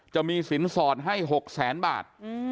จะมีสินสอดให้๖แสนบาท